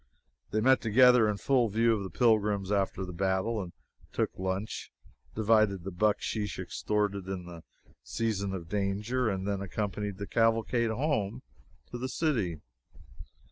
They met together in full view of the pilgrims, after the battle, and took lunch, divided the bucksheesh extorted in the season of danger, and then accompanied the cavalcade home to the city!